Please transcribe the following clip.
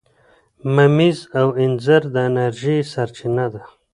ممیز او انځر د انرژۍ سرچینه ده.